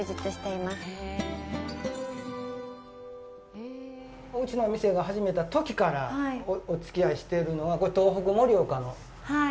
いつも、うちのお店が始めたときからおつきあいしているのは、これ、東北盛岡の。